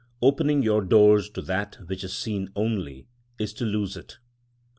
Opening your doors to that which is seen only, is to lose it.